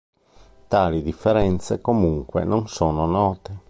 Tali differenze comunque non sono note.